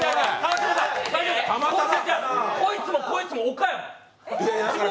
こいつも、こいつも岡山。